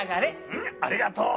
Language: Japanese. うんありがとう。